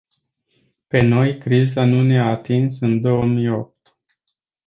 Pe noi criza nu ne-a atins în două mii opt.